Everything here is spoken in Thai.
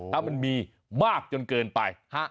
ถ้ามันมีมากจนเกินไป